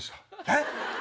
えっ！